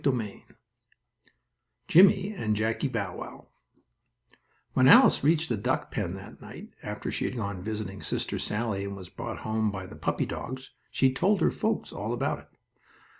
STORY XXVIII JIMMIE AND JACKIE BOW WOW When Alice reached the duckpen that night, after she had gone visiting Sister Sallie, and was brought home by the puppy dogs, she told her folks all about it.